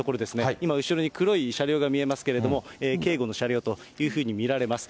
今、後ろに黒い車両が見えますけれども、警護の車両というふうに見られます。